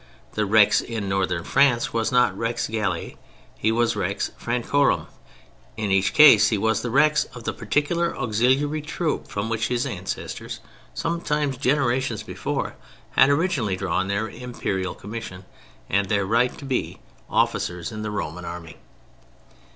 The Rex in Northern France was not Rex Galliæ, he was "Rex Francorum." In each case he was the Rex of the particular auxiliary troop from which his ancestors—sometimes generations before—had originally drawn their Imperial Commission and their right to be officers in the Roman Army.